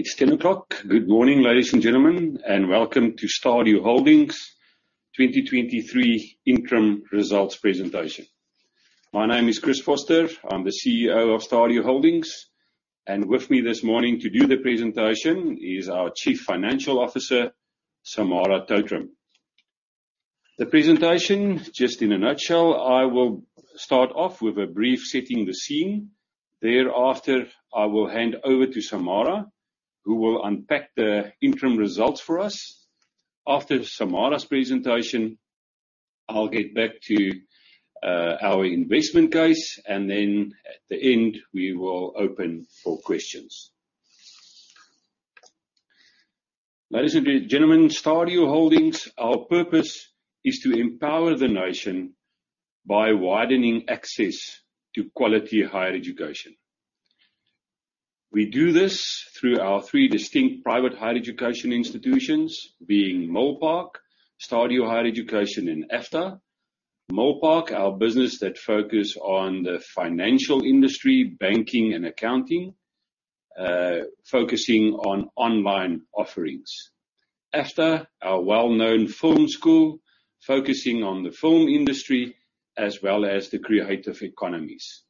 It's 10:00 A.M. Good morning, ladies and gentlemen, and welcome to Stadio Holdings' 2023 interim results presentation. My name is Chris Vorster. I'm the CEO of Stadio Holdings, and with me this morning to do the presentation is our Chief Financial Officer, Samara Totaram. The presentation, just in a nutshell, I will start off with a brief setting the scene. Thereafter, I will hand over to Samara, who will unpack the interim results for us. AFDA Samara's presentation, I'll get back to our investment case, and then at the end, we will open for questions. Ladies and gentlemen, Stadio Holdings, our purpose is to empower the nation by widening access to quality higher education. We do this through our three distinct private higher education institutions, being Milpark, Stadio Higher Education and AFDA. Milpark, our business that focus on the financial industry, banking and accounting, focusing on online offerings. AFDA, our well-known film school focusing on the film industry as well as the creative economies.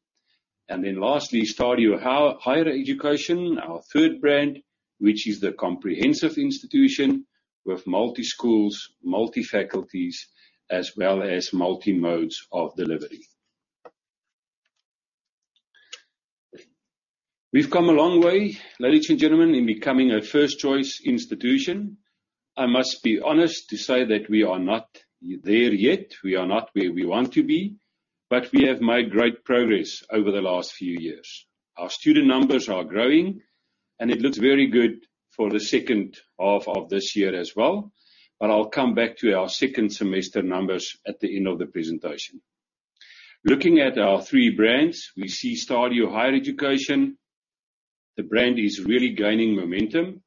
Lastly, Stadio Higher Education, our third brand, which is the comprehensive institution with multi schools, multi faculties as well as multi modes of delivery. We've come a long way, ladies and gentlemen, in becoming a first choice institution. I must be honest to say that we are not there yet. We are not where we want to be, but we have made great progress over the last few years. Our student numbers are growing, and it looks very good for the second half of this year as well. I'll come back to our second semester numbers at the end of the presentation. Looking at our three brands, we see Stadio Higher Education. The brand is really gaining momentum.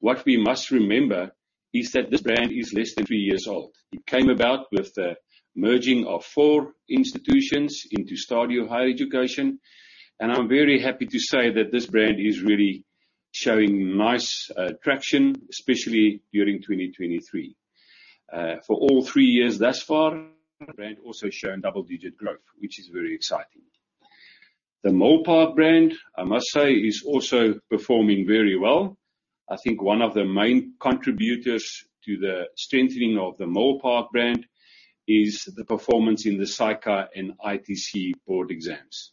What we must remember is that this brand is less than three years old. It came about with the merging of four institutions into Stadio Higher Education, and I'm very happy to say that this brand is really showing nice traction, especially during 2023. For all three years thus far, the brand also shown double digit growth, which is very exciting. The Milpark brand, I must say, is also performing very well. I think one of the main contributors to the strengthening of the Milpark brand is the performance in the SAICA and ITC board exams.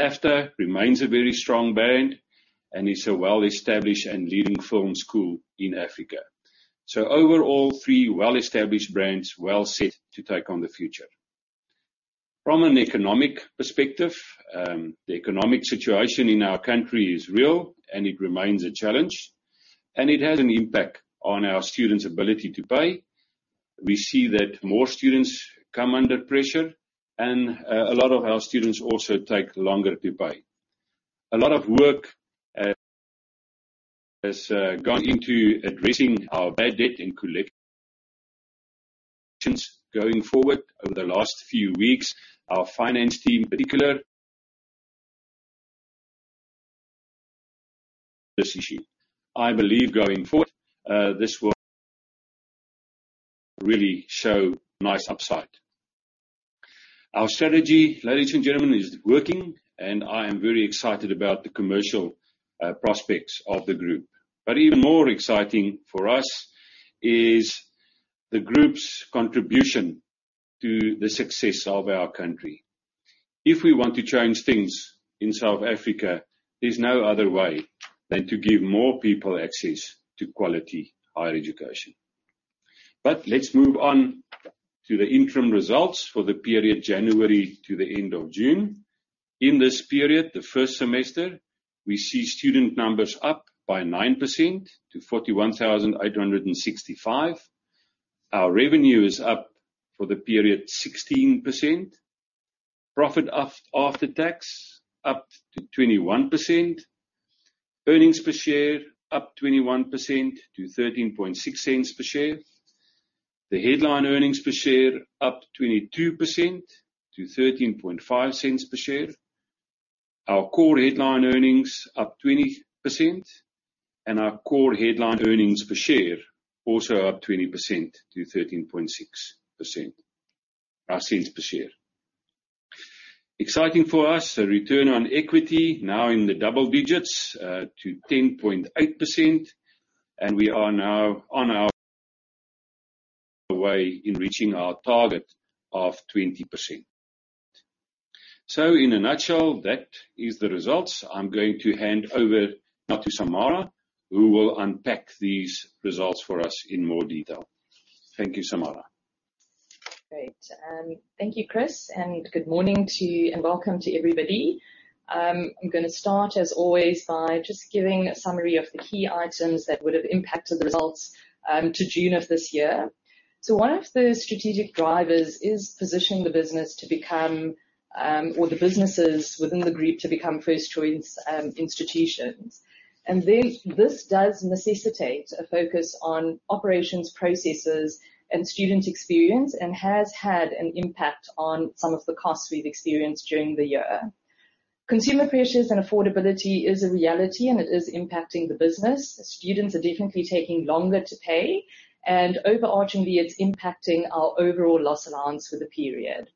AFDA remains a very strong brand and is a well-established and leading film school in Africa. Overall, three well-established brands well set to take on the future. From an economic perspective, the economic situation in our country is real, it remains a challenge, and it has an impact on our students' ability to pay. We see that more students come under pressure and a lot of our students also take longer to pay. A lot of work has gone into addressing our bad debt and collections going forward. Over the last few weeks, our finance team particular this issue. I believe going forward, this will really show nice upside. Our strategy, ladies and gentlemen, is working, I am very excited about the commercial prospects of the group. Even more exciting for us is the group's contribution to the success of our country. If we want to change things in South Africa, there's no other way than to give more people access to quality higher education. Let's move on to the interim results for the period January to the end of June. In this period, the first semester, we see student numbers up by 9% to 41,865. Our revenue is up for the period 16%. Profit after tax, up to 21%. Earnings per share up 21% to 0.136 per share. The headline earnings per share up 22% to 0.135 per share. Our core headline earnings up 20%, and our core headline earnings per share also up 20% to ZAR 0.136 per share. Exciting for us, a return on equity now in the double digits, to 10.8%, and we are now on our way in reaching our target of 20%. In a nutshell, that is the results. I'm going to hand over now to Samara, who will unpack these results for us in more detail. Thank you, Samara. Great. Thank you, Chris, and good morning to you, and welcome to everybody. I'm going to start, as always, by just giving a summary of the key items that would have impacted the results to June of this year. One of the strategic drivers is positioning the business to become, or the businesses within the group to become first choice institutions. This does necessitate a focus on operations, processes and student experience and has had an impact on some of the costs we've experienced during the year. Consumer pressures and affordability is a reality and it is impacting the business. Students are definitely taking longer to pay, and overarchingly, it's impacting our overall loss allowance for the period.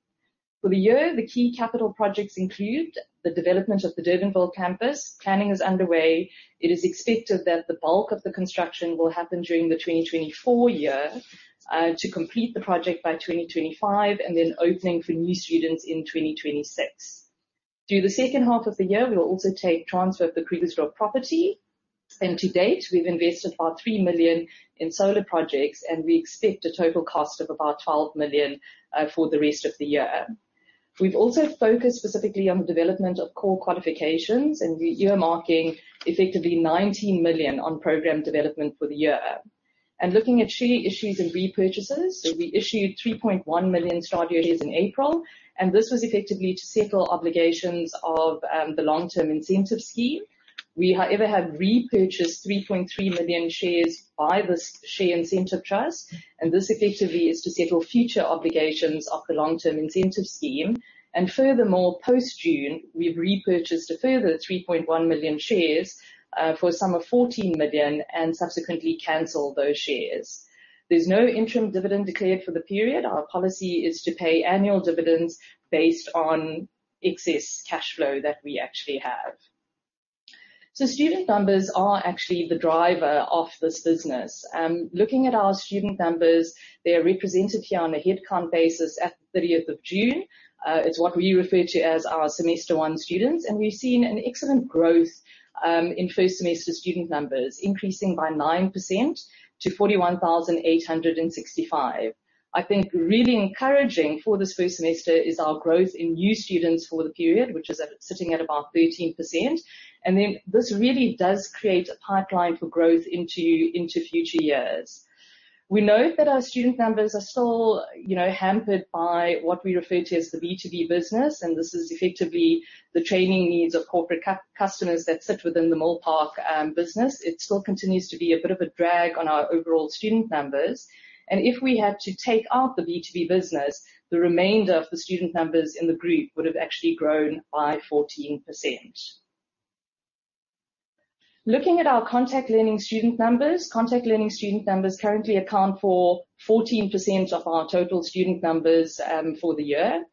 For the year, the key capital projects include the development of the Durbanville Campus. Planning is underway. It is expected that the bulk of the construction will happen during the 2024 year, to complete the project by 2025, and then opening for new students in 2026. Through the second half of the year, we'll also take transfer of the Krugersdorp property. To date, we've invested about 3 million in solar projects, and we expect a total cost of about 12 million for the rest of the year. We've also focused specifically on the development of core qualifications, and we're earmarking effectively 19 million on program development for the year. Looking at share issues and repurchases, we issued 3.1 million Stadio shares in April, and this was effectively to settle obligations of the long-term incentive scheme. We, however, have repurchased 3.3 million shares by the share incentive trust, and this effectively is to settle future obligations of the long-term incentive scheme. Furthermore, post-June, we've repurchased a further 3.1 million shares for a sum of 14 million and subsequently canceled those shares. There's no interim dividend declared for the period. Our policy is to pay annual dividends based on excess cash flow that we actually have. Student numbers are actually the driver of this business. Looking at our student numbers, they are represented here on a headcount basis at the 30th of June. It's what we refer to as our semester 1 students, and we've seen an excellent growth in first-semester student numbers, increasing by 9% to 41,865. I think really encouraging for this first semester is our growth in new students for the period, which is sitting at about 13%. This really does create a pipeline for growth into future years. We note that our student numbers are still hampered by what we refer to as the B2B business, and this is effectively the training needs of corporate customers that sit within the Milpark business. It still continues to be a bit of a drag on our overall student numbers. If we had to take out the B2B business, the remainder of the student numbers in the group would have actually grown by 14%. Looking at our contact learning student numbers, contact learning student numbers currently account for 14% of our total student numbers for the year.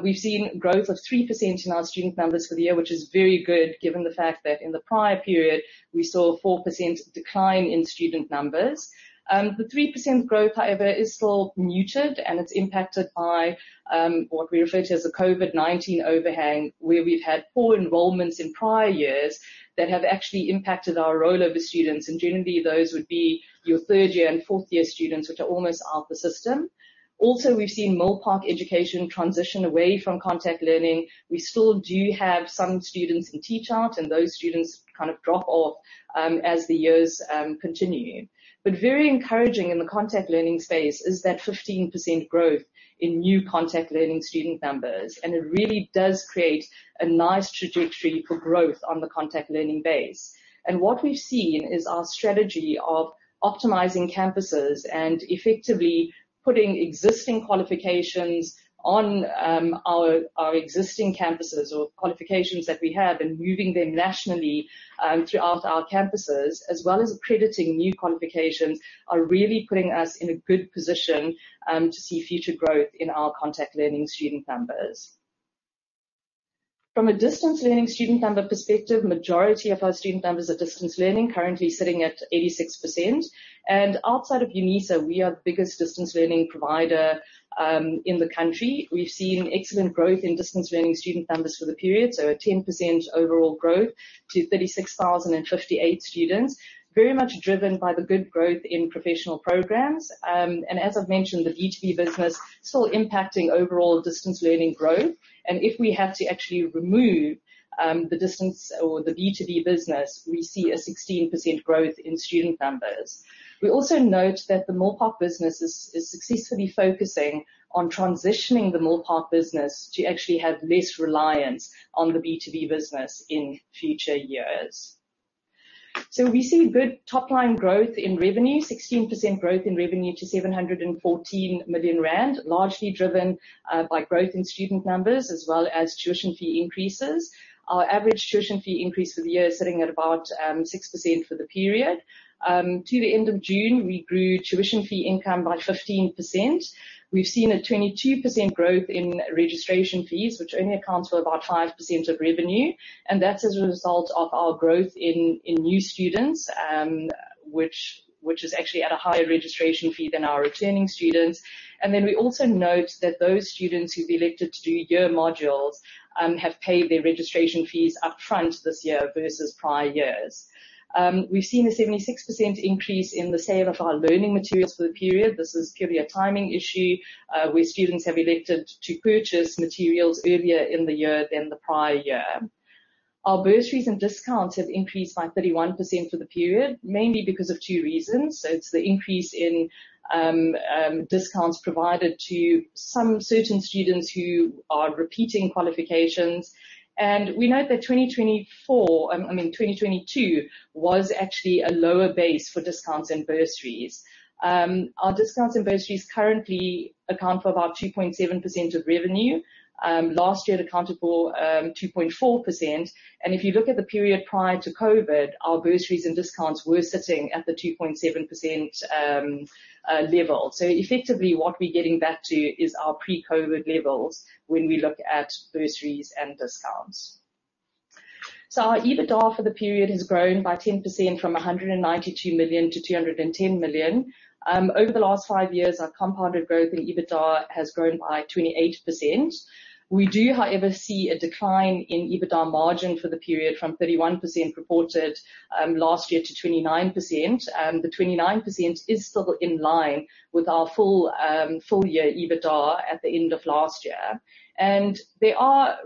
We've seen growth of 3% in our student numbers for the year, which is very good given the fact that in the prior period, we saw a 4% decline in student numbers. The 3% growth, however, is still muted, and it's impacted by what we refer to as the COVID-19 overhang, where we've had poor enrollments in prior years that have actually impacted our rollover students. Generally, those would be your third-year and fourth-year students, which are almost out the system. Also, we've seen Milpark Education transition away from contact learning. We still do have some students in teach-out, and those students kind of drop off as the years continue. Very encouraging in the contact learning space is that 15% growth in new contact learning student numbers, it really does create a nice trajectory for growth on the contact learning base. What we've seen is our strategy of optimizing campuses and effectively putting existing qualifications on our existing campuses or qualifications that we have and moving them nationally throughout our campuses, as well as accrediting new qualifications, are really putting us in a good position to see future growth in our contact learning student numbers. From a distance learning student number perspective, majority of our student numbers are distance learning, currently sitting at 86%. Outside of Unisa, we are the biggest distance learning provider in the country. We've seen excellent growth in distance learning student numbers for the period, so a 10% overall growth to 36,058 students, very much driven by the good growth in professional programs. As I've mentioned, the B2B business still impacting overall distance learning growth. If we have to actually remove the distance or the B2B business, we see a 16% growth in student numbers. We also note that the Milpark business is successfully focusing on transitioning the Milpark business to actually have less reliance on the B2B business in future years. We see good top-line growth in revenue, 16% growth in revenue to 714 million rand, largely driven by growth in student numbers as well as tuition fee increases. Our average tuition fee increase for the year is sitting at about 6% for the period. To the end of June, we grew tuition fee income by 15%. We've seen a 22% growth in registration fees, which only accounts for about 5% of revenue, and that's as a result of our growth in new students, which is actually at a higher registration fee than our returning students. We also note that those students who've elected to do year modules have paid their registration fees up front this year versus prior years. We've seen a 76% increase in the sale of our learning materials for the period. This is purely a timing issue, where students have elected to purchase materials earlier in the year than the prior year. Our bursaries and discounts have increased by 31% for the period, mainly because of two reasons. It's the increase in discounts provided to some certain students who are repeating qualifications. We note that 2024 I mean, 2022 was actually a lower base for discounts and bursaries. Our discounts and bursaries currently account for about 2.7% of revenue. Last year it accounted for 2.4%. If you look at the period prior to COVID, our bursaries and discounts were sitting at the 2.7% level. Effectively what we're getting back to is our pre-COVID levels when we look at bursaries and discounts. Our EBITDA for the period has grown by 10% from 192 million to 210 million. Over the last five years, our compounded growth in EBITDA has grown by 28%. We do, however, see a decline in EBITDA margin for the period from 31% reported last year to 29%. The 29% is still in line with our full year EBITDA at the end of last year. There are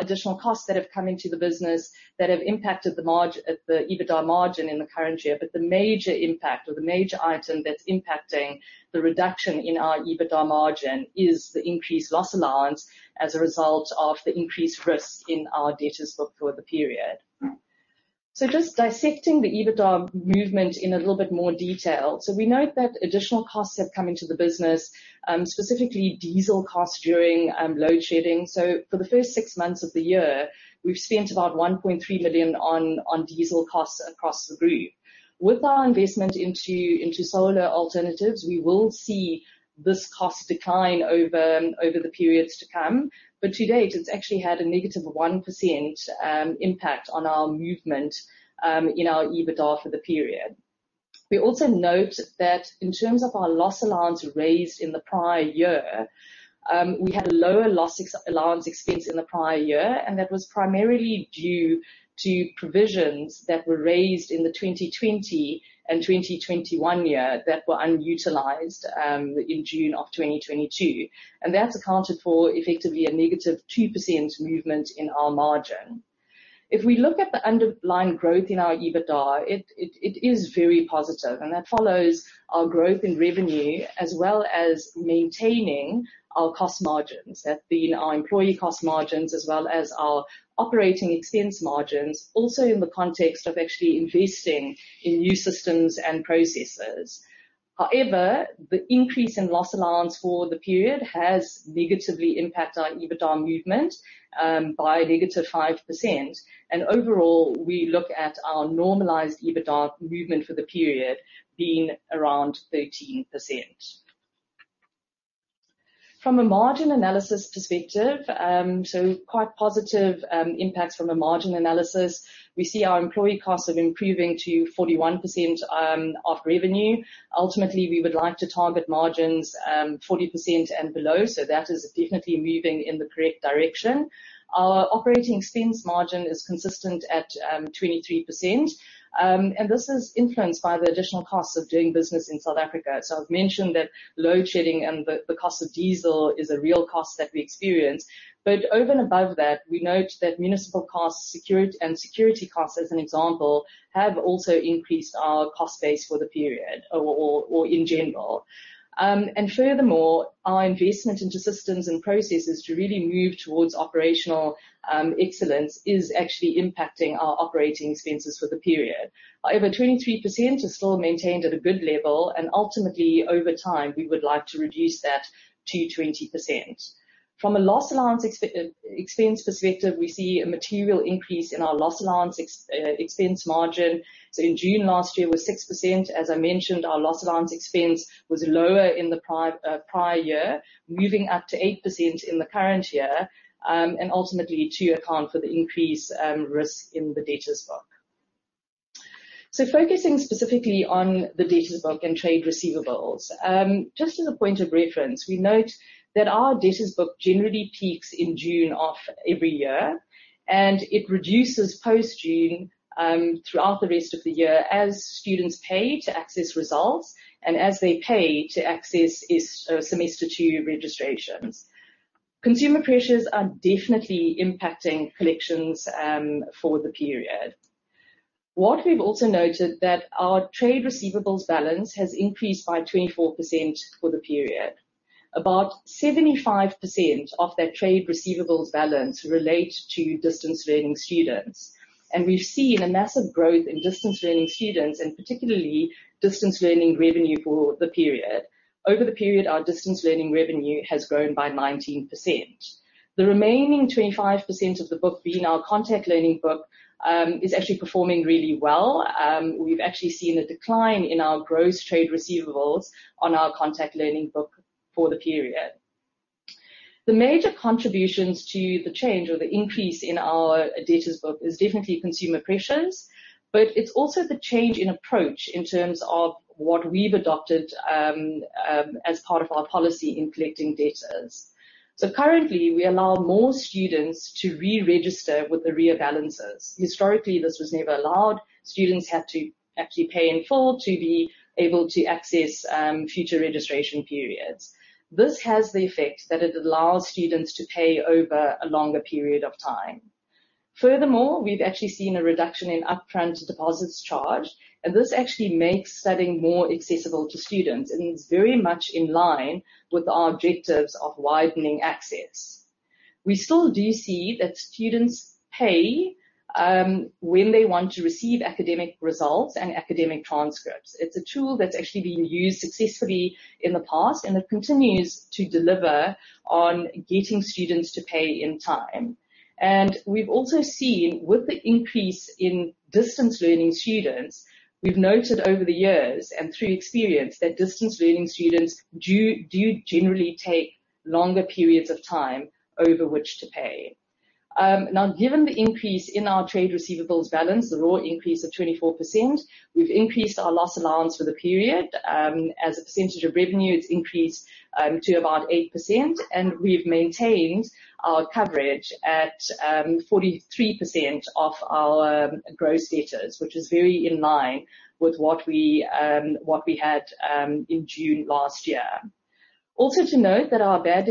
additional costs that have come into the business that have impacted the EBITDA margin in the current year. The major impact or the major item that's impacting the reduction in our EBITDA margin is the increased loss allowance as a result of the increased risk in our debtors book for the period. Just dissecting the EBITDA movement in a little bit more detail. We note that additional costs have come into the business, specifically diesel costs during load shedding. For the first six months of the year, we've spent about 1.3 million on diesel costs across the group. With our investment into solar alternatives, we will see this cost decline over the periods to come. To date, it's actually had a negative 1% impact on our movement in our EBITDA for the period. We also note that in terms of our loss allowance raised in the prior year, we had a lower loss allowance expense in the prior year, and that was primarily due to provisions that were raised in the 2020 and 2021 year that were unutilized in June of 2022. That's accounted for effectively a negative 2% movement in our margin. If we look at the underlying growth in our EBITDA, it is very positive, and that follows our growth in revenue as well as maintaining our cost margins. That's been our employee cost margins as well as our operating expense margins, also in the context of actually investing in new systems and processes. However, the increase in loss allowance for the period has negatively impact our EBITDA movement, by a -5%. Overall, we look at our normalized EBITDA movement for the period being around 13%. From a margin analysis perspective, quite positive impacts from a margin analysis. We see our employee costs are improving to 41% of revenue. Ultimately, we would like to target margins 40% and below, that is definitely moving in the correct direction. Our operating expense margin is consistent at 23%. This is influenced by the additional costs of doing business in South Africa. I've mentioned that load shedding and the cost of diesel is a real cost that we experience. Over and above that, we note that municipal costs and security costs, as an example, have also increased our cost base for the period or in general. Furthermore, our investment into systems and processes to really move towards operational excellence is actually impacting our operating expenses for the period. However, 23% is still maintained at a good level. Ultimately, over time, we would like to reduce that to 20%. From a loss allowance expense perspective, we see a material increase in our loss allowance expense margin. In June last year was 6%. As I mentioned, our loss allowance expense was lower in the prior year, moving up to 8% in the current year. Ultimately to account for the increased risk in the debtors book. Focusing specifically on the debtors book and trade receivables. Just as a point of reference, we note that our debtors book generally peaks in June of every year. It reduces post-June, throughout the rest of the year as students pay to access results and as they pay to access semester 2 registrations. Consumer pressures are definitely impacting collections for the period. What we've also noted that our trade receivables balance has increased by 24% for the period. About 75% of that trade receivables balance relate to distance learning students. We've seen a massive growth in distance learning students, and particularly distance learning revenue for the period. Over the period, our distance learning revenue has grown by 19%. The remaining 25% of the book being our contact learning book, is actually performing really well. We've actually seen a decline in our gross trade receivables on our contact learning book for the period. The major contributions to the change or the increase in our debtors book is definitely consumer pressures. It's also the change in approach in terms of what we've adopted as part of our policy in collecting debtors. Currently, we allow more students to re-register with arrear balances. Historically, this was never allowed. Students had to actually pay in full to be able to access future registration periods. This has the effect that it allows students to pay over a longer period of time. Furthermore, we've actually seen a reduction in upfront deposits charge. This actually makes studying more accessible to students, it's very much in line with our objectives of widening access. We still do see that students pay when they want to receive academic results and academic transcripts. It's a tool that's actually been used successfully in the past, it continues to deliver on getting students to pay in time. We've also seen with the increase in distance learning students, we've noted over the years and through experience, that distance learning students do generally take longer periods of time over which to pay. Given the increase in our trade receivables balance, the raw increase of 24%, we've increased our loss allowance for the period. As a percentage of revenue, it's increased to about 8%, we've maintained our coverage at 43% of our gross debtors, which is very in line with what we had in June last year. Also to note that our bad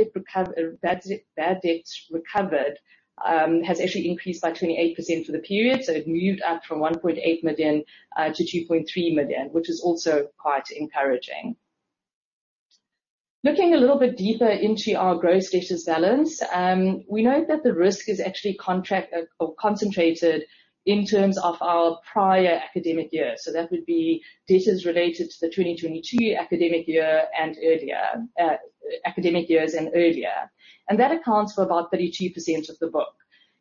debts recovered has actually increased by 28% for the period, it moved up from 1.8 million to 2.3 million, which is also quite encouraging. Looking a little bit deeper into our gross debtors balance, we note that the risk is actually concentrated in terms of our prior academic year. That would be debtors related to the 2022 academic years and earlier. That accounts for about 32% of the book.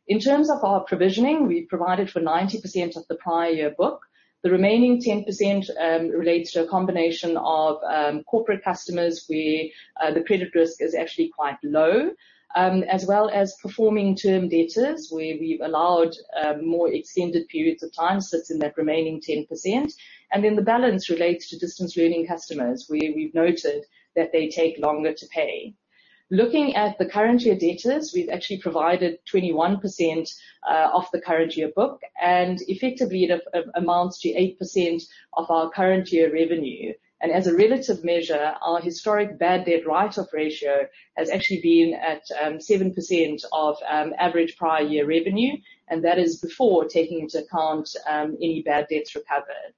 In terms of our provisioning, we provided for 90% of the prior year book. The remaining 10% relates to a combination of corporate customers where the credit risk is actually quite low, as well as performing term debtors, where we've allowed more extended periods of time, sits in that remaining 10%. The balance relates to distance learning customers, where we've noted that they take longer to pay. Looking at the current year debtors, we've actually provided 21% of the current year book, effectively it amounts to 8% of our current year revenue. As a relative measure, our historic bad debt write-off ratio has actually been at 7% of average prior year revenue, that is before taking into account any bad debts recovered.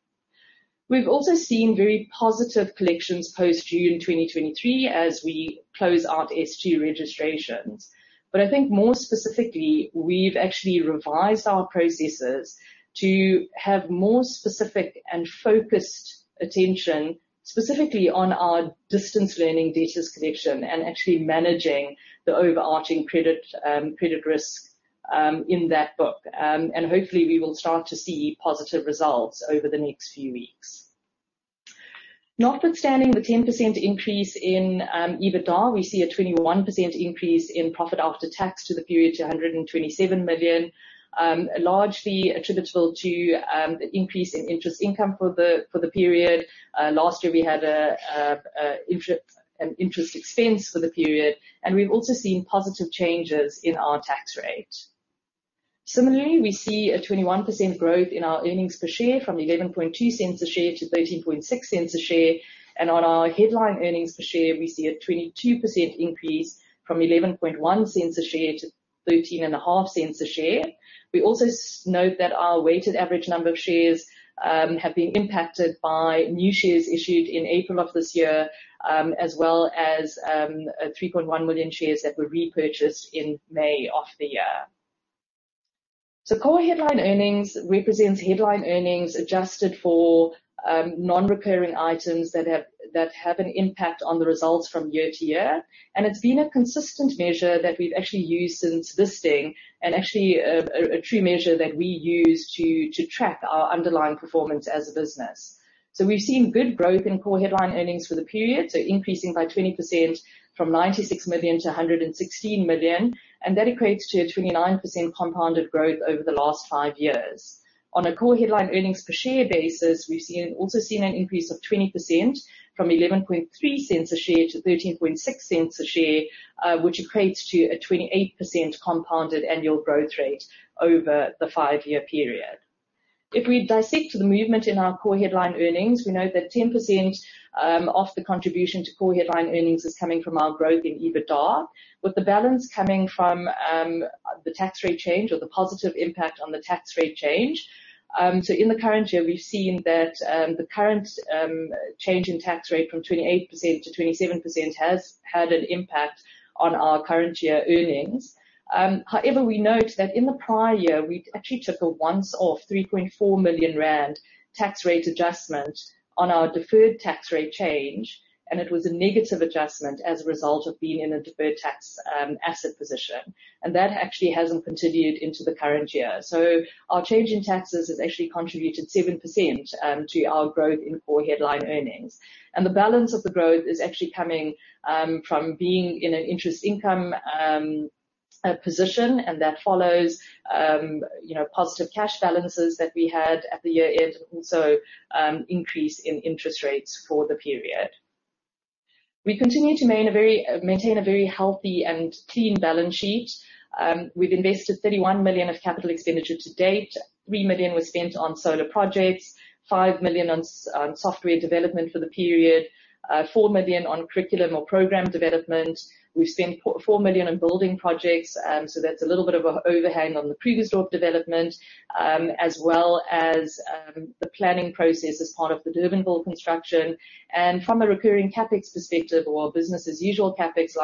We've also seen very positive collections post June 2023 as we close out S2 registrations. I think more specifically, we've actually revised our processes to have more specific and focused attention specifically on our distance learning debtors collection and actually managing the overarching credit risk in that book. Hopefully we will start to see positive results over the next few weeks. Notwithstanding the 10% increase in EBITDA, we see a 21% increase in profit after tax to the period to 127 million, largely attributable to the increase in interest income for the period. Last year we had an interest expense for the period, we've also seen positive changes in our tax rate. Similarly, we see a 21% growth in our earnings per share from 0.112 a share to 0.136 a share. On our headline earnings per share, we see a 22% increase from 0.111 a share to 0.135 a share. We also note that our weighted average number of shares have been impacted by new shares issued in April of this year, as well as 3.1 million shares that were repurchased in May of the year. Core headline earnings represents headline earnings adjusted for non-recurring items that have an impact on the results from year to year, and it's been a consistent measure that we've actually used since listing and actually a true measure that we use to track our underlying performance as a business. We've seen good growth in core headline earnings for the period, increasing by 20% from 96 million to 116 million, and that equates to a 29% compounded growth over the last five years. On a core headline earnings per share basis, we've also seen an increase of 20% from 0.113 a share to 0.136 a share, which equates to a 28% compounded annual growth rate over the five-year period. If we dissect the movement in our core headline earnings, we know that 10% of the contribution to core headline earnings is coming from our growth in EBITDA, with the balance coming from the tax rate change or the positive impact on the tax rate change. In the current year, we've seen that the current change in tax rate from 28% to 27% has had an impact on our current year earnings. However, we note that in the prior year, we actually took a once-off 3.4 million rand tax rate adjustment on our deferred tax rate change, and it was a negative adjustment as a result of being in a deferred tax asset position. That actually hasn't continued into the current year. Our change in taxes has actually contributed 7% to our growth in core headline earnings. The balance of the growth is actually coming from being in an interest income position, and that follows positive cash balances that we had at the year-end, and also increase in interest rates for the period. We continue to maintain a very healthy and clean balance sheet. We've invested 31 million of capital expenditure to date. 3 million was spent on solar projects, 5 million on software development for the period, 4 million on curriculum or program development. We've spent 4 million on building projects. That's a little bit of an overhang on the previous drop development, as well as the planning process as part of the Durbanville construction. From a recurring CapEx perspective or business as usual CapEx,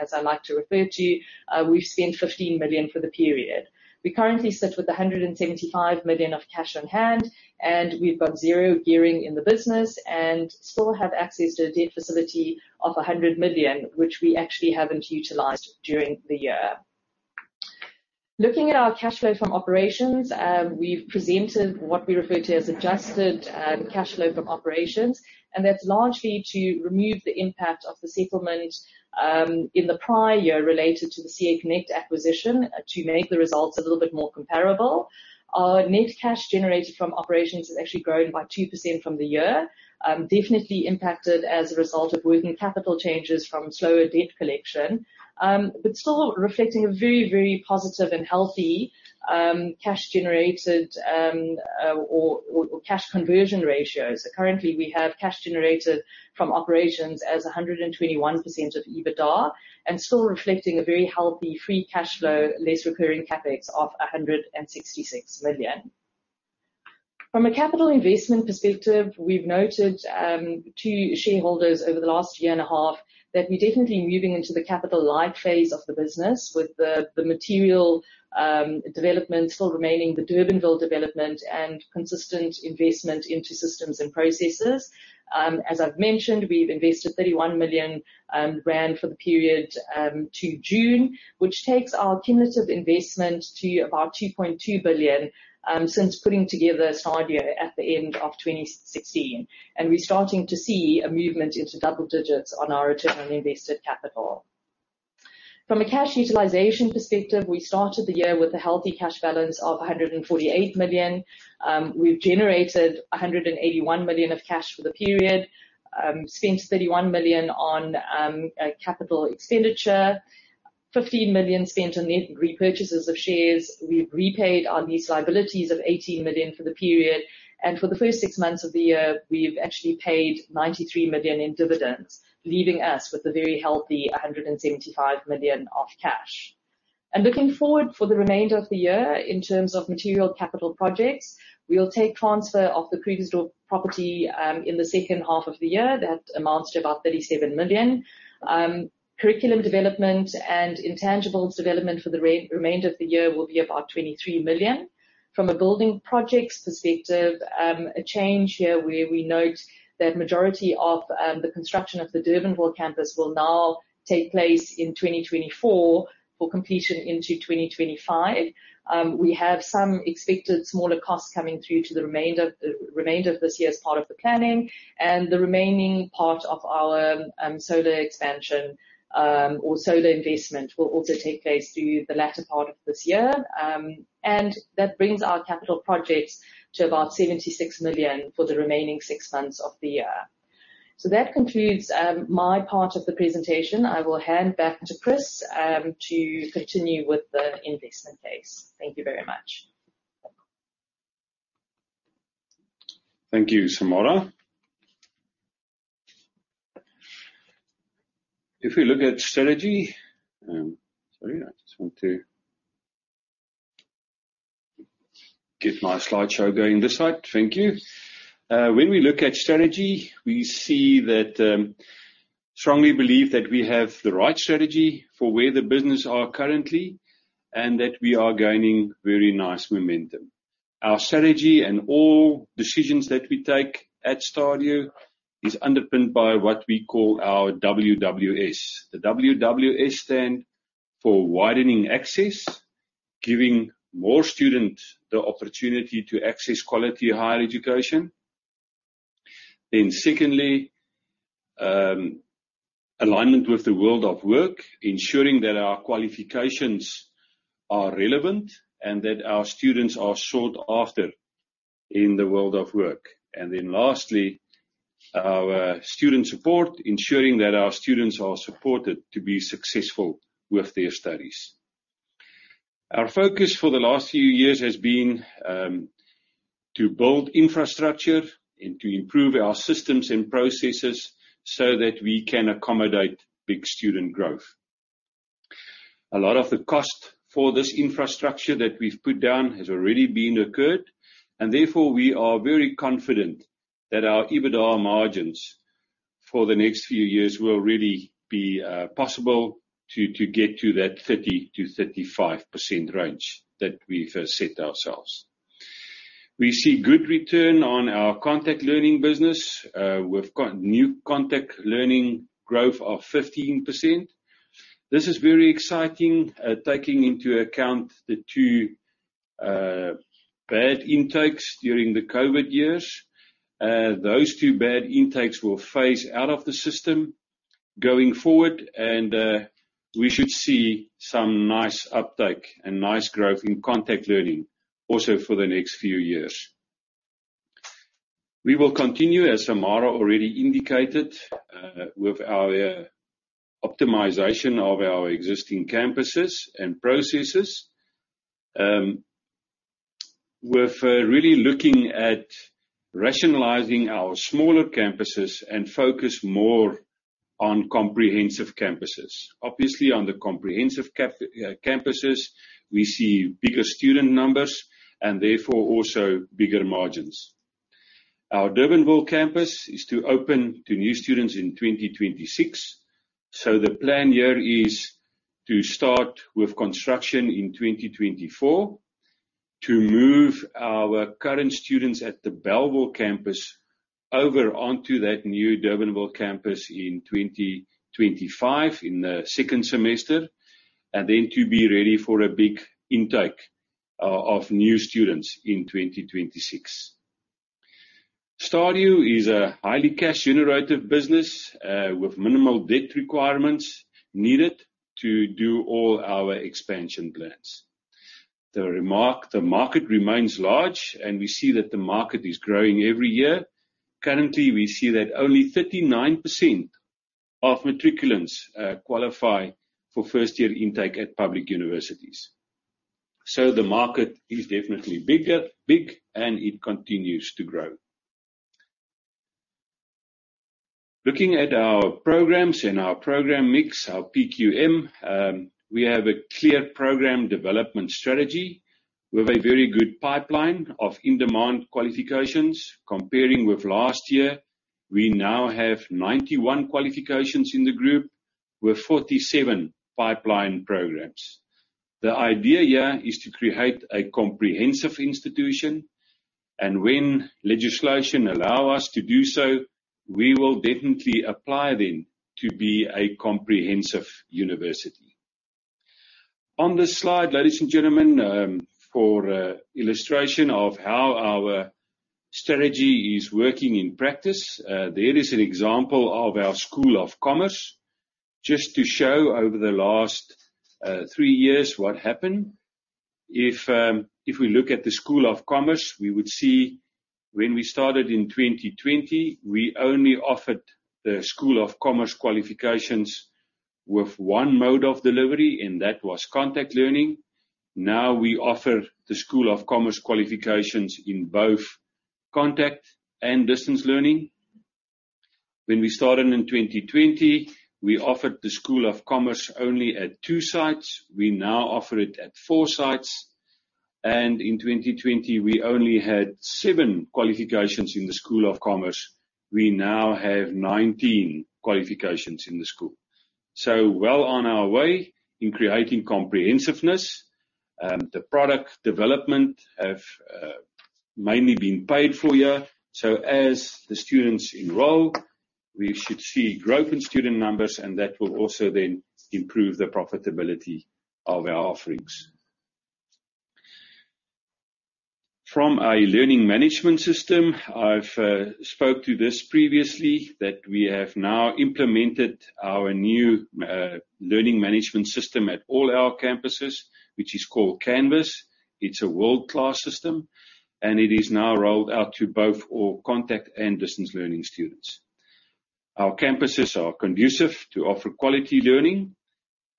as I like to refer to, we've spent 15 million for the period. We currently sit with 175 million of cash on hand, and we've got zero gearing in the business and still have access to a debt facility of 100 million, which we actually haven't utilized during the year. Looking at our cash flow from operations, we've presented what we refer to as adjusted cash flow from operations, and that's largely to remove the impact of the settlement in the prior year related to the CA Connect acquisition to make the results a little bit more comparable. Our net cash generated from operations has actually grown by 2% from the year. Definitely impacted as a result of working capital changes from slower debt collection, but still reflecting a very, very positive and healthy cash generated or cash conversion ratios. Currently, we have cash generated from operations as 121% of EBITDA and still reflecting a very healthy free cash flow, less recurring CapEx of 166 million. From a capital investment perspective, we've noted to shareholders over the last year and a half that we're definitely moving into the capital light phase of the business with the material development still remaining, the Durbanville development and consistent investment into systems and processes. As I've mentioned, we've invested 31 million rand for the period to June, which takes our cumulative investment to about 2.2 billion since putting together Stadio at the end of 2016. We're starting to see a movement into double digits on our return on invested capital. From a cash utilization perspective, we started the year with a healthy cash balance of 148 million. We've generated 181 million of cash for the period. Spent 31 million on capital expenditure, 15 million spent on repurchases of shares. We've repaid our lease liabilities of 18 million for the period. For the first six months of the year, we've actually paid 93 million in dividends, leaving us with a very healthy 175 million of cash. Looking forward for the remainder of the year in terms of material capital projects, we will take transfer of theKrugersdorp property in the second half of the year. That amounts to about 37 million. Curriculum development and intangibles development for the remainder of the year will be about 23 million. From a building projects perspective, a change here where we note that majority of the construction of the Durbanville campus will now take place in 2024 for completion into 2025. We have some expected smaller costs coming through to the remainder of this year as part of the planning. The remaining part of our solar expansion or solar investment will also take place through the latter part of this year. That brings our capital projects to about 76 million for the remaining six months of the year. That concludes my part of the presentation. I will hand back to Chris to continue with the investment case. Thank you very much. Thank you, Samara. If we look at strategy Sorry, I just want to get my slideshow going this side. Thank you. When we look at strategy, we see that strongly believe that we have the right strategy for where the business are currently and that we are gaining very nice momentum. Our strategy and all decisions that we take at Stadio is underpinned by what we call our WWS. The WWS stand for widening access, giving more students the opportunity to access quality higher education. Secondly, alignment with the world of work, ensuring that our qualifications are relevant and that our students are sought after in the world of work. Lastly, our student support, ensuring that our students are supported to be successful with their studies. Our focus for the last few years has been to build infrastructure and to improve our systems and processes so that we can accommodate big student growth. A lot of the cost for this infrastructure that we've put down has already been incurred, and therefore we are very confident that our EBITDA margins for the next few years will really be possible to get to that 30%-35% range that we've set ourselves. We see good return on our contact learning business. We've got new contact learning growth of 15%. This is very exciting, taking into account the two bad intakes during the COVID-19 years. Those two bad intakes will phase out of the system going forward, and we should see some nice uptake and nice growth in contact learning also for the next few years. We will continue, as Samara already indicated, with our optimization of our existing campuses and processes, with really looking at rationalizing our smaller campuses and focus more on comprehensive campuses. Obviously, on the comprehensive campuses, we see bigger student numbers and therefore also bigger margins. Our Durbanville campus is to open to new students in 2026. The plan here is to start with construction in 2024. To move our current students at the Bellville campus over onto that new Durbanville campus in 2025, in the second semester, and then to be ready for a big intake of new students in 2026. Stadio is a highly cash generative business with minimal debt requirements needed to do all our expansion plans. The market remains large, and we see that the market is growing every year. Currently, we see that only 39% of matriculants qualify for first-year intake at public universities. The market is definitely big, and it continues to grow. Looking at our programs and our program mix, our PQM, we have a clear program development strategy with a very good pipeline of in-demand qualifications. Comparing with last year, we now have 91 qualifications in the group, with 47 pipeline programs. The idea here is to create a comprehensive institution, and when legislation allow us to do so, we will definitely apply then to be a comprehensive university. On this slide, ladies and gentlemen, for illustration of how our strategy is working in practice, there is an example of our STADIO School of Commerce. Just to show over the last three years what happened. If we look at the STADIO School of Commerce, we would see when we started in 2020, we only offered the STADIO School of Commerce qualifications with one mode of delivery, and that was contact learning. Now, we offer the STADIO School of Commerce qualifications in both contact and distance learning. When we started in 2020, we offered the STADIO School of Commerce only at two sites. We now offer it at four sites. And in 2020, we only had seven qualifications in the STADIO School of Commerce. We now have 19 qualifications in the school. So well on our way in creating comprehensiveness. The product development have mainly been paid for here. So as the students enroll, we should see growth in student numbers, and that will also then improve the profitability of our offerings. From a learning management system, I've spoke to this previously that we have now implemented our new learning management system at all our campuses, which is called Canvas. It's a world-class system, and it is now rolled out to both all contact and distance learning students. Our campuses are conducive to offer quality learning.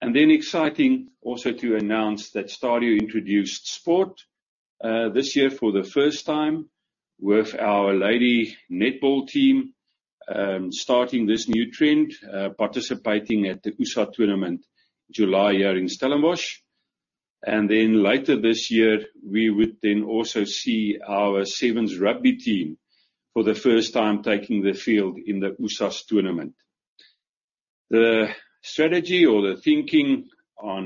Exciting also to announce that Stadio introduced sport this year for the first time with our lady netball team starting this new trend, participating at the USSA tournament July here in Stellenbosch. Later this year, we would then also see our sevens rugby team for the first time taking the field in the USSA tournament. The strategy or the thinking on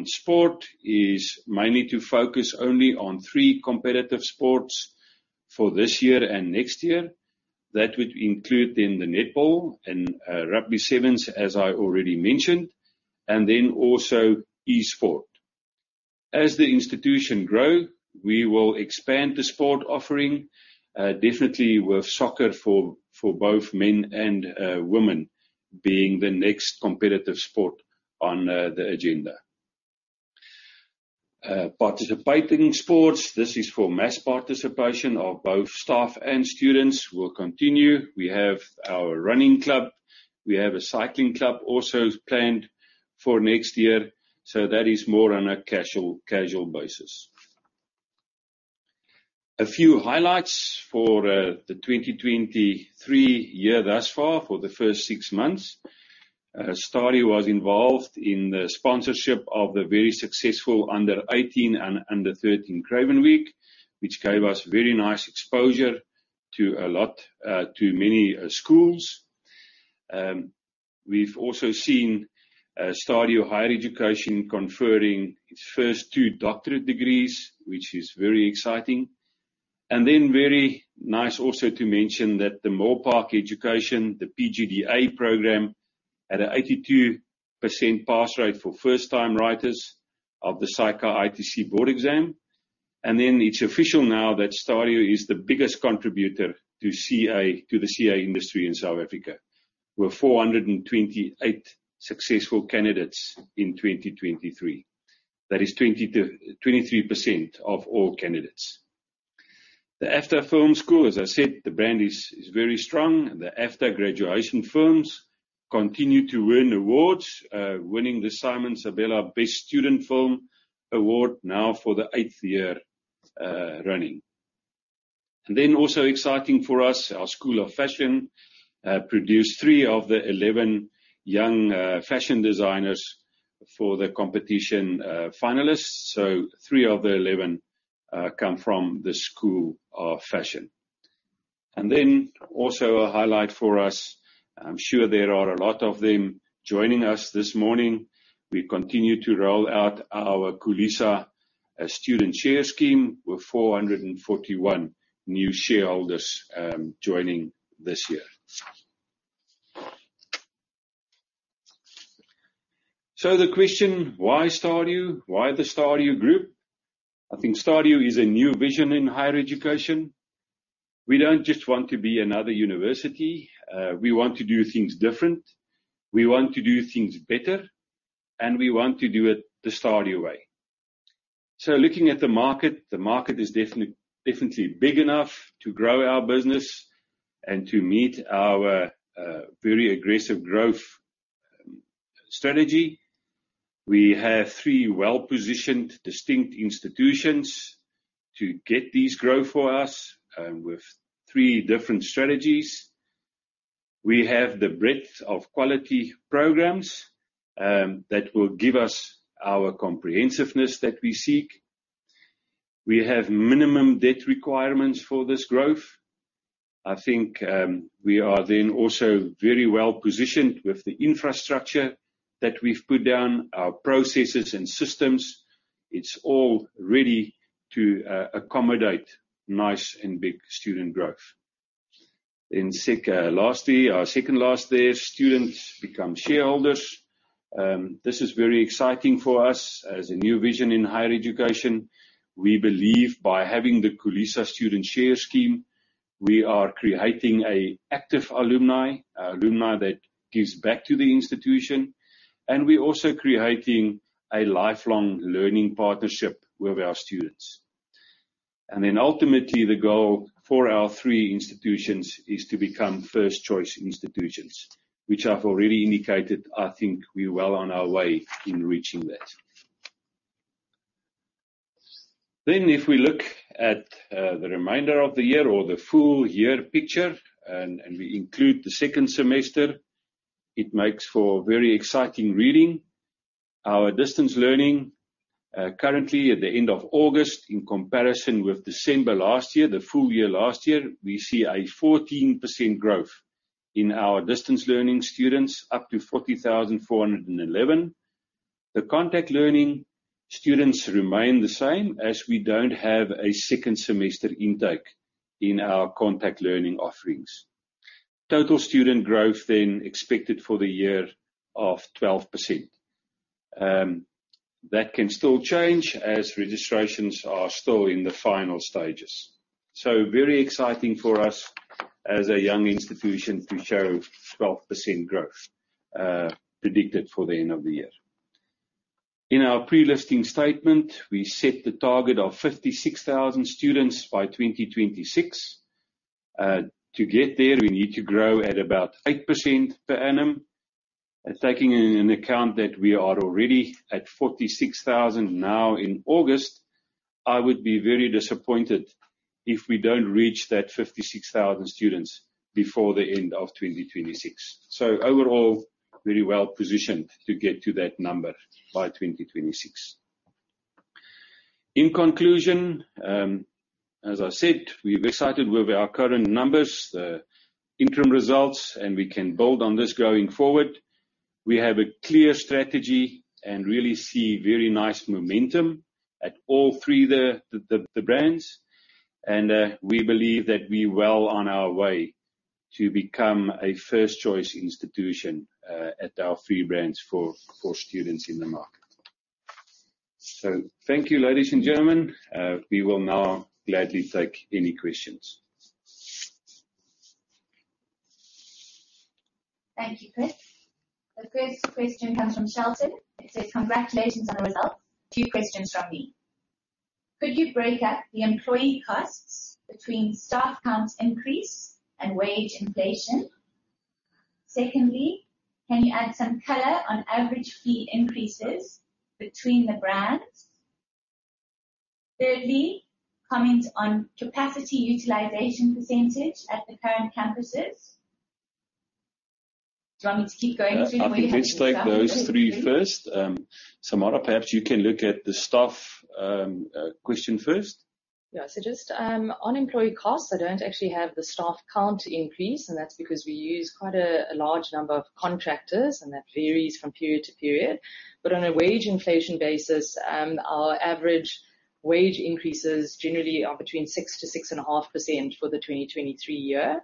sport is mainly to focus only on three competitive sports for this year and next year. That would include then the netball and rugby sevens, as I already mentioned, and then also e-sport. As the institution grow, we will expand the sport offering, definitely with soccer for both men and women being the next competitive sport on the agenda. Participating sports, this is for mass participation of both staff and students will continue. We have our running club. We have a cycling club also planned for next year. That is more on a casual basis. A few highlights for the 2023 year thus far for the first six months. Stadio was involved in the sponsorship of the very successful under 18 and under 13 Craven Week, which gave us very nice exposure to many schools. We've also seen Stadio Higher Education conferring its first two doctorate degrees, which is very exciting. Very nice also to mention that the Milpark Education, the PGDA program, had an 82% pass rate for first-time writers of the SAICA ITC board exam. It is official now that Stadio is the biggest contributor to the CA industry in South Africa, with 428 successful candidates in 2023. That is 23% of all candidates. The AFDA Film School, as I said, the brand is very strong. The AFDA graduation films continue to win awards, winning the Simon Sabela Best Student Film Award now for the eighth year running. Also exciting for us, our School of Fashion produced three of the 11 young fashion designers for the competition finalists. So three of the 11 come from the School of Fashion. Also a highlight for us, I'm sure there are a lot of them joining us this morning, we continue to roll out our Khulisa Student Share Scheme, with 441 new shareholders joining this year. The question, why Stadio? Why the Stadio Group? I think Stadio is a new vision in higher education. We don't just want to be another university. We want to do things different, we want to do things better, and we want to do it the Stadio way. Looking at the market, the market is definitely big enough to grow our business and to meet our very aggressive growth strategy. We have three well-positioned, distinct institutions to get these growth for us, with three different strategies. We have the breadth of quality programs that will give us our comprehensiveness that we seek. We have minimum debt requirements for this growth. I think we are then also very well positioned with the infrastructure that we've put down, our processes and systems. It's all ready to accommodate nice and big student growth. Our second last there, students become shareholders. This is very exciting for us as a new vision in higher education. We believe by having the Khulisa Student Share Scheme, we are creating a active alumni. Alumni that gives back to the institution, and we're also creating a lifelong learning partnership with our students. Ultimately, the goal for our three institutions is to become first choice institutions, which I've already indicated, I think we're well on our way in reaching that. If we look at the remainder of the year or the full year picture, we include the second semester, it makes for very exciting reading. Our distance learning, currently at the end of August, in comparison with December last year, the full year last year, we see a 14% growth in our distance learning students up to 40,411. The contact learning students remain the same as we don't have a second semester intake in our contact learning offerings. Total student growth then expected for the year of 12%. That can still change as registrations are still in the final stages. Very exciting for us as a young institution to show 12% growth predicted for the end of the year. In our pre-listing statement, we set the target of 56,000 students by 2026. To get there, we need to grow at about 8% per annum. Taking into account that we are already at 46,000 now in August, I would be very disappointed if we don't reach that 56,000 students before the end of 2026. Overall, very well positioned to get to that number by 2026. In conclusion, as I said, we're excited with our current numbers, the interim results, we can build on this going forward. We have a clear strategy really see very nice momentum at all three of the brands. We believe that we're well on our way to become a first-choice institution, at our three brands for students in the market. Thank you, ladies and gentlemen. We will now gladly take any questions. Thank you, Chris. The first question comes from Shelton. It says, "Congratulations on the results. A few questions from me. Could you break up the employee costs between staff count increase and wage inflation? Secondly, can you add some color on average fee increases between the brands? Thirdly, comment on capacity utilization % at the current campuses." Do you want me to keep going through- I think let's take those three first. Samara, perhaps you can look at the staff question first. Yeah. Just on employee costs, I don't actually have the staff count increase. That's because we use quite a large number of contractors. That varies from period to period. On a wage inflation basis, our average wage increases generally are between 6% to 6.5% for the 2023 year.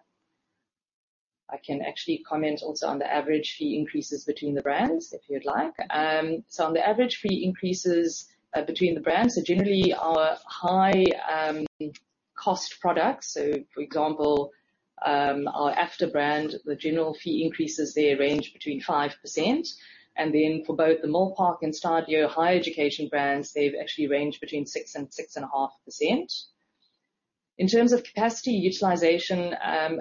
I can actually comment also on the average fee increases between the brands if you would like. On the average fee increases between the brands, generally our high cost products, for example, our AFDA brand, the general fee increases there range between 5%. For both the Milpark and Stadio Higher Education brands, they've actually ranged between 6% and 6.5%. In terms of capacity utilization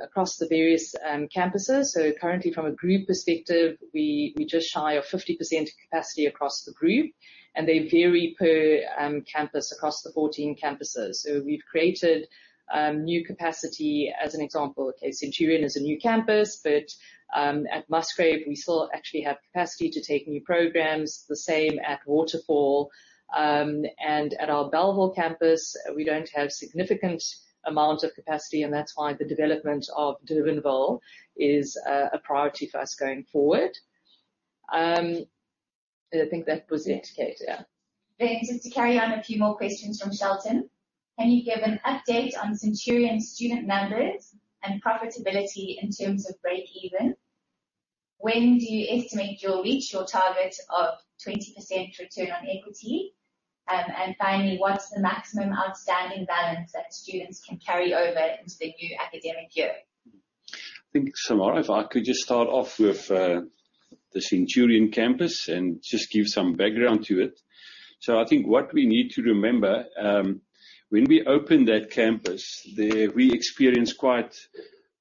across the various campuses, currently from a group perspective, we're just shy of 50% capacity across the group. They vary per campus across the 14 campuses. We've created new capacity. As an example, Centurion is a new campus, at Musgrave, we still actually have capacity to take new programs, the same at Waterfall. At our Bellville campus, we don't have significant amount of capacity. That's why the development of Durbanville is a priority for us going forward. I think that was it, Kate. Yeah. Just to carry on a few more questions from Shelton. Can you give an update on Centurion student numbers and profitability in terms of break even? When do you estimate you'll reach your target of 20% return on equity? Finally, what's the maximum outstanding balance that students can carry over into the new academic year? I think, Samara, if I could just start off with the Centurion campus and just give some background to it. I think what we need to remember, when we opened that campus, we experienced quite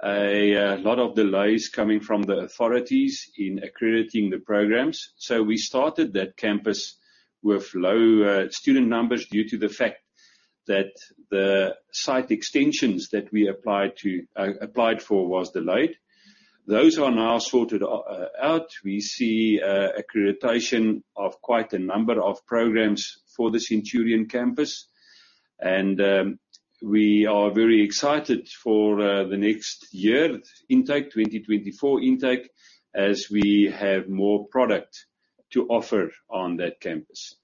a lot of delays coming from the authorities in accrediting the programs. We started that campus with low student numbers due to the fact that the site extensions that we applied for was delayed. Those are now sorted out. We see accreditation of quite a number of programs for the Centurion campus. We are very excited for the next year intake, 2024 intake, as we have more product to offer on that campus.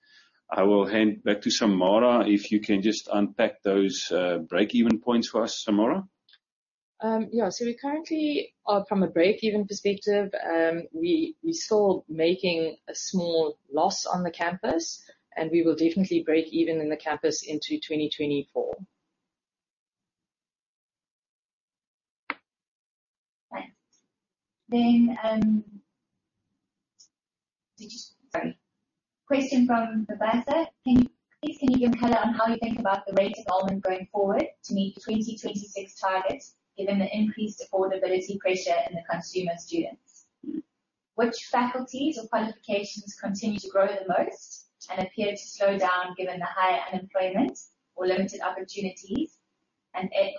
I will hand back to Samara. If you can just unpack those break-even points for us, Samara. We currently are from a break-even perspective, we're still making a small loss on the campus, and we will definitely break even in the campus into 2024. Question from Babasa. Please can you give color on how you think about the rate of enrollment going forward to meet 2026 targets, given the increased affordability pressure in the consumer students? Which faculties or qualifications continue to grow the most and appear to slow down given the high unemployment or limited opportunities?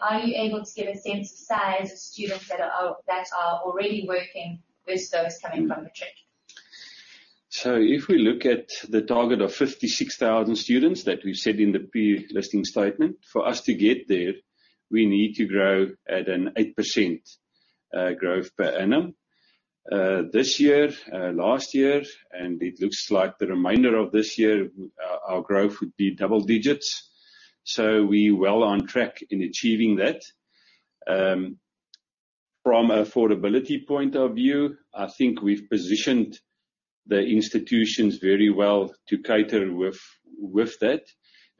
Are you able to give a sense of size of students that are already working with those coming from matric? If we look at the target of 56,000 students that we set in the pre-listing statement, for us to get there, we need to grow at an 8% growth per annum. This year, last year, and it looks like the remainder of this year, our growth would be double digits. We're well on track in achieving that. From affordability point of view, I think we've positioned the institutions very well to cater with that,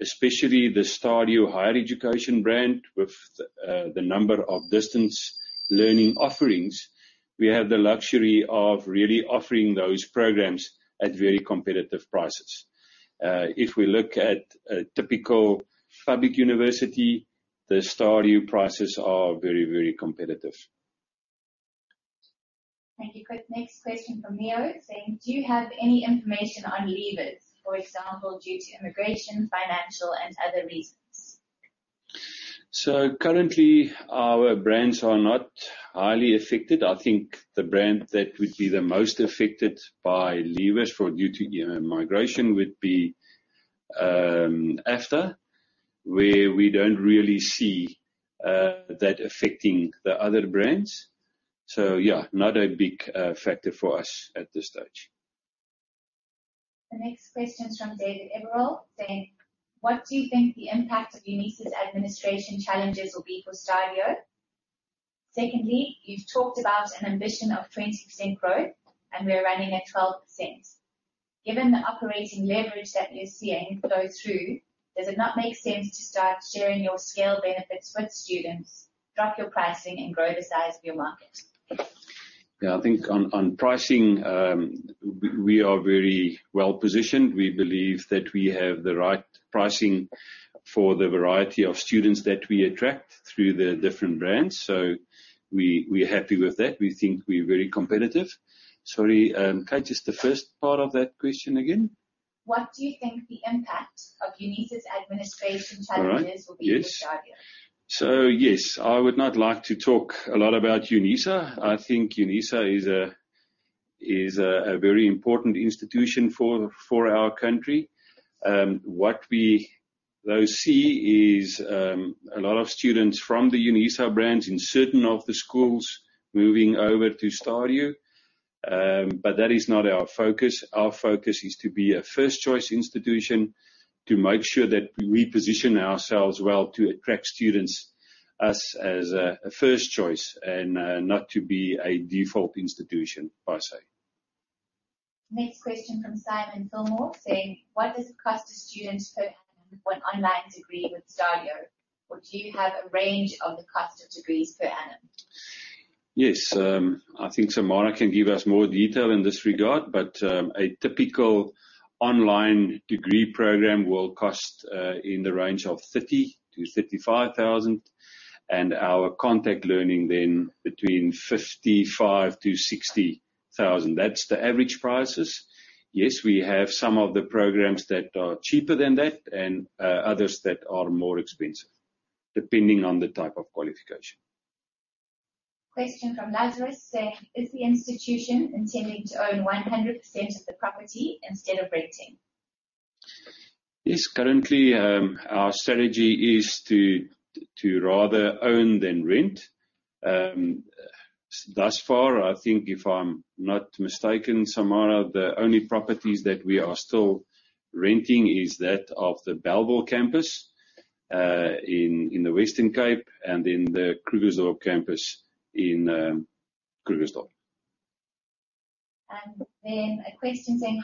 especially the Stadio Higher Education brand with the number of distance learning offerings. We have the luxury of really offering those programs at very competitive prices. If we look at a typical public university, the Stadio prices are very, very competitive. Thank you. Next question from Leo saying, do you have any information on leavers, for example, due to immigration, financial and other reasons? Currently, our brands are not highly affected. I think the brand that would be the most affected by leavers due to migration would be AFDA, where we don't really see that affecting the other brands. Yeah, not a big factor for us at this stage. The next question is from David Everall saying, what do you think the impact of Unisa's administration challenges will be for Stadio? Secondly, you've talked about an ambition of 20% growth, and we're running at 12%. Given the operating leverage that you're seeing go through, does it not make sense to start sharing your scale benefits with students, drop your pricing, and grow the size of your market? Yeah, I think on pricing, we are very well positioned. We believe that we have the right pricing for the variety of students that we attract through the different brands. We're happy with that. We think we're very competitive. Sorry, Kate, just the first part of that question again. What do you think the impact of Unisa's administration challenges- All right. Yes will be for Stadio? Yes, I would not like to talk a lot about Unisa. I think Unisa is a very important institution for our country. What we though see is, a lot of students from the Unisa brands in certain of the schools moving over to Stadio. That is not our focus. Our focus is to be a first-choice institution to make sure that we position ourselves well to attract students us as a first choice and not to be a default institution per se. Next question from Simon Fillmore saying, what does it cost a student per annum for an online degree with Stadio? Do you have a range of the cost of degrees per annum? Yes. I think Samara can give us more detail in this regard. A typical online degree program will cost in the range of 30,000-35,000. Our contact learning then between 55,000-60,000. That's the average prices. Yes, we have some of the programs that are cheaper than that and others that are more expensive, depending on the type of qualification. Question from Lazarus saying, is the institution intending to own 100% of the property instead of renting? Yes. Currently, our strategy is to rather own than rent. Thus far, I think if I'm not mistaken, Samara, the only properties that we are still renting is that of the Bellville campus, in the Western Cape and in the Krugersdorp campus in Krugersdorp. A question saying,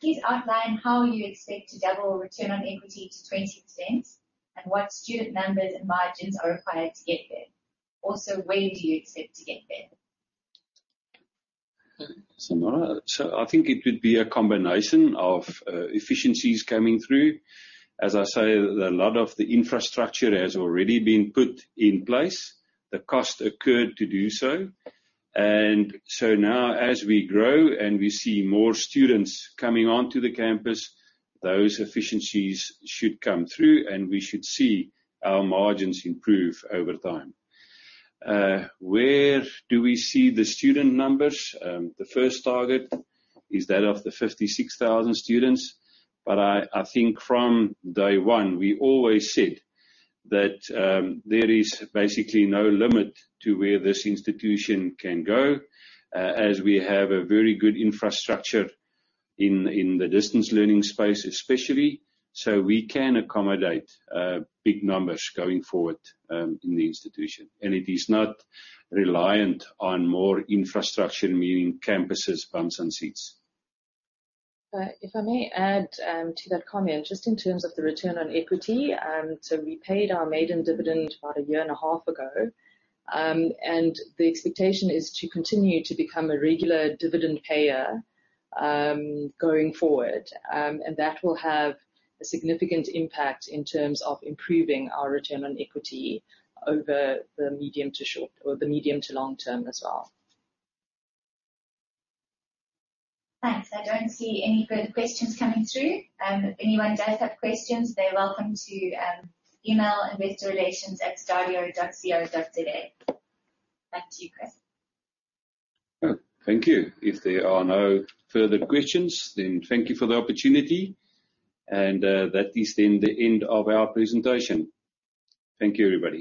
please outline how you expect to double return on equity to 20%, and what student numbers and margins are required to get there. Where do you expect to get there? Samara Totaram, I think it would be a combination of efficiencies coming through. As I say, a lot of the infrastructure has already been put in place. The cost occurred to do so. Now as we grow and we see more students coming onto the campus, those efficiencies should come through, and we should see our margins improve over time. Where do we see the student numbers? The first target is that of the 56,000 students. I think from day one, we always said that there is basically no limit to where this institution can go, as we have a very good infrastructure in the distance learning space, especially. We can accommodate big numbers going forward in the institution. It is not reliant on more infrastructure, meaning campuses, bumps, and seats. If I may add to that comment, just in terms of the return on equity. We paid our maiden dividend about a year and a half ago. The expectation is to continue to become a regular dividend payer, going forward. That will have a significant impact in terms of improving our return on equity over the medium to long term as well. Thanks. I don't see any further questions coming through. If anyone does have questions, they're welcome to email investorrelations@stadio.co.za. Back to you, Chris. Thank you. If there are no further questions, thank you for the opportunity. That is then the end of our presentation. Thank you, everybody.